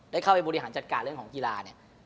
เข้าไปบริหารจัดการเรื่องของกีฬาเนี่ย